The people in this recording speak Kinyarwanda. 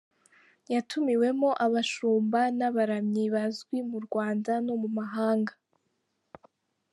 Yatumiwemo abashumba n’abaramyi bazwi mu Rwanda no mu mahanga.